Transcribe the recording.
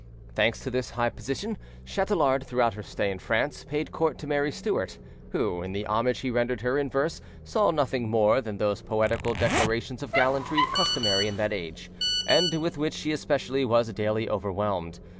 Thanks to this high position, Chatelard, throughout her stay in France, paid court to Mary Stuart, who, in the homage he rendered her in verse, saw nothing more than those poetical declarations of gallantry customary in that age, and with which she especially was daily overwhelmed.